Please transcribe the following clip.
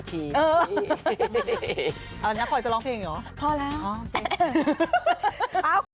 รักครับรักน้องชายมาก